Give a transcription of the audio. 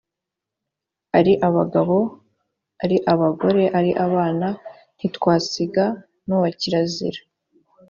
ari abagabo, ari abagore, ari abana, ntitwasiga n’uwakirazira